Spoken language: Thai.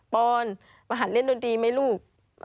ปอนมาหันเล่นดนตรีไหมลูก